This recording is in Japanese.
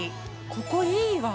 ここいいわ。